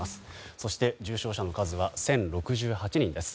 そして重症者の数は１０６８人です。